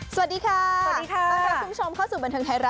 สวัสดีค่ะสวัสดีค่ะ